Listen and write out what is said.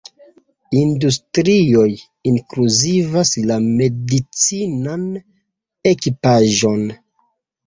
Industrioj inkluzivas la medicinan ekipaĵon.